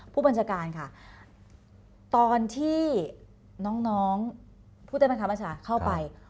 พุทธบังคับมาสระเข้าไป